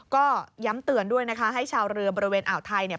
ก็ย้ำเตือนด้วยนะคะให้ชาวเรือบริเวณอ่าวไทยเนี่ย